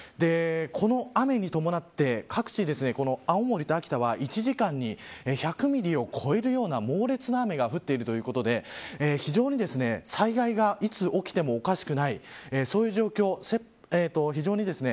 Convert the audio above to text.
この雨に伴って各地で青森と秋田は１時間に１００ミリを超えるような猛烈な雨が降っているということで非常に、災害がいつ起きてもおかしくないそういう状況。